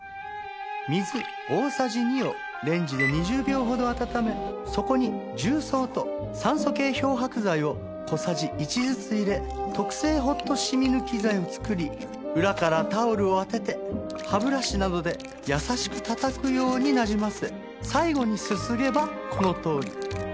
水大さじ２をレンジで２０秒ほど温めそこに重曹と酸素系漂白剤を小さじ１ずつ入れ特製ホット染み抜き剤を作り裏からタオルを当てて歯ブラシなどで優しくたたくようになじませ最後にすすげばこのとおり。